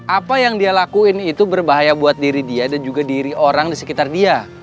apa yang dia lakuin itu berbahaya buat diri dia dan juga diri orang di sekitar dia